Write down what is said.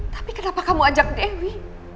tapi kenapa kamu ajak dewi